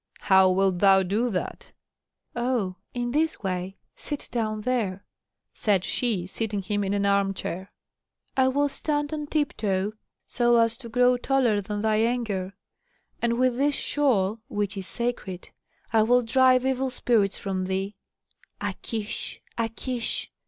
"How wilt thou do that?" "Oh, in this way sit down there," said she, seating him in an armchair. "I will stand on tiptoe, so as to grow taller than thy anger, and with this shawl, which is sacred, I will drive evil spirits from thee. A kish! a kish!"